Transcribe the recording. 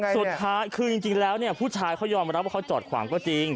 สุดท้ายคือจริงแล้วเนี่ยผู้ชายเขายอมรับว่าเขาจอดขวางก็จริง